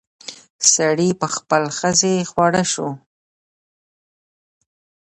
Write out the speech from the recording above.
سړي په خپلې ښځې خواړه شو.